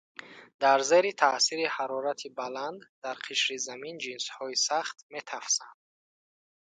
Дар зери таъсири ҳарорати баланд дар қишри Замин ҷинсҳои сахт метафсанд.